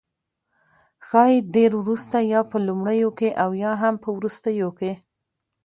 ښايي ډیر وروسته، یا په لومړیو کې او یا هم په وروستیو کې